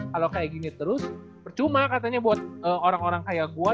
kalau kayak gini terus percuma katanya buat orang orang kayak gue